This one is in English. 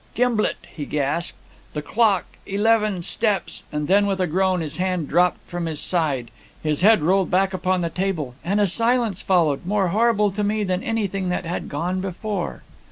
'Gimblet,' he gasped, 'the clock eleven steps ' and then with a groan his hand dropped from his side, his head rolled back upon the table, and a silence followed, more horrible to me than anything that had gone before.